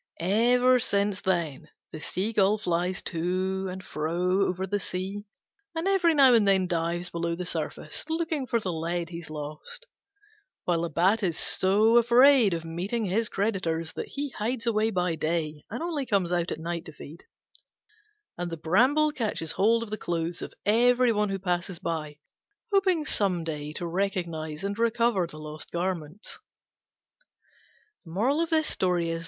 Ever since then the Seagull flies to and fro over the sea, and every now and then dives below the surface, looking for the lead he's lost; while the Bat is so afraid of meeting his creditors that he hides away by day and only comes out at night to feed; and the Bramble catches hold of the clothes of every one who passes by, hoping some day to recognise and recover the lost garments.